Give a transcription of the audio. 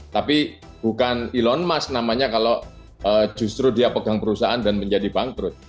tapi bukan elon musk namanya kalau justru dia pegang perusahaan dan menjadi bangkrut